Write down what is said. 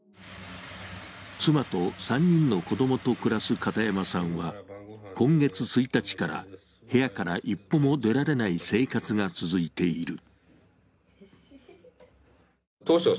妻と３人の子供と暮らす片山さんは今月１日から部屋から一歩も出られない生活が続いている。